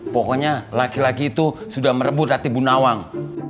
pokoknya laki laki itu sudah merebut hati bu nawang